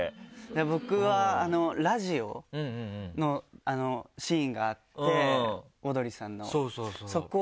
僕はラジオのシーンがあってオードリーさんの。